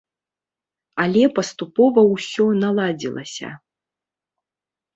Але паступова ўсё наладзілася.